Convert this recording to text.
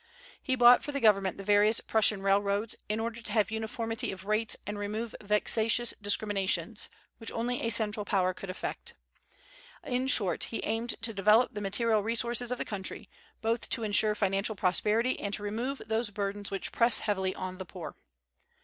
He bought for the government the various Prussian railroads, in order to have uniformity of rates and remove vexatious discriminations, which only a central power could effect. In short, he aimed to develop the material resources of the country, both to insure financial prosperity and to remove those burdens which press heavily on the poor.